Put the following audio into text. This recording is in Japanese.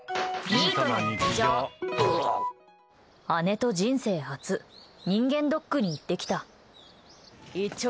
姉と人生初人間ドックに行ってきた。